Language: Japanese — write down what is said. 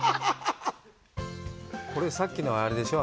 これさっきのあれでしょう。